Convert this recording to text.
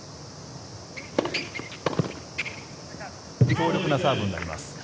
強力なサーブになります。